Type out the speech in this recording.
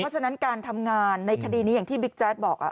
เพราะฉะนั้นการทำงานในคดีนี้อย่างที่บิ๊กแจ๊ดบอก